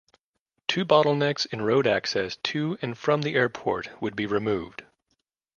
Two bottlenecks in road access to and from the airport would be removed.